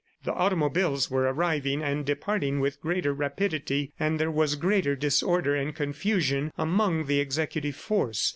The automobiles were arriving and departing with greater rapidity, and there was greater disorder and confusion among the executive force.